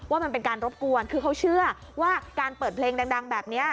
มันเป็นการรบกวนคือเขาเชื่อว่าการเปิดเพลงดังแบบนี้